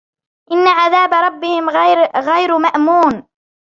إِنَّ عَذَابَ رَبِّهِمْ غَيْرُ مَأْمُونٍ